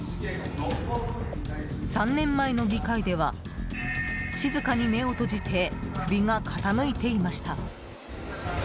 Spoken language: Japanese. ３年前の議会では静かに目を閉じて首が傾いていました。